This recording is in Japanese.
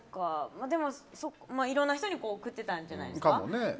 でも、いろんな人に送ってたんじゃないですか。